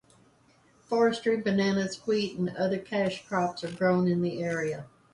Forestry, bananas, wheat and other cash crops are grown in the area.